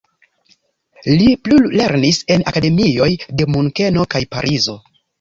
Li plulernis en akademioj de Munkeno kaj Parizo.